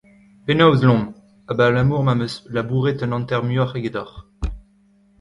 Penaos, Lom ? Abalamour ma ’m eus labouret un hanter muioc’h egedoc’h.